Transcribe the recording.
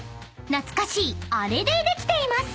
［懐かしいあれでできています］